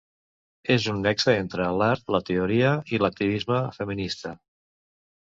És un nexe entre l'art, la teoria i l'activisme feminista.